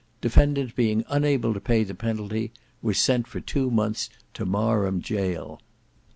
Defendant being unable to pay the penalty, was sent for two months to Marham Gaol."